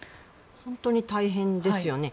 本当に大変ですよね。